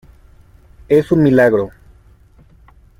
es un milagro.